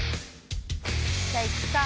じゃあいくか。